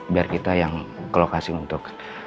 biar kita yang ke lokasi untuk